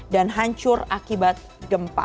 dan hancur akibat gempa